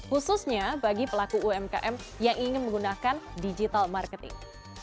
khususnya bagi pelaku umkm yang ingin menggunakan digital marketing